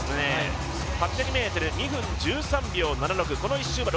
８００ｍ２分１３秒７６です。